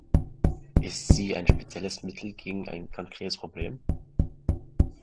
Ist sie ein spezielles Mittel gegen ein konkretes Problem?